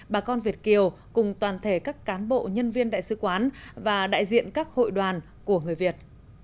bà con việt kiều cùng toàn thể các cán bộ nhân viên đại sứ quán và đại diện các hội đoàn của người việt